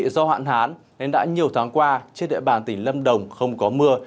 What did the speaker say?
do hạn hán nên đã nhiều tháng qua trên địa bàn tỉnh lâm đồng không có mưa